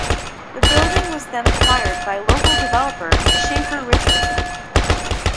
The building was then acquired by local developer Shafer Richardson.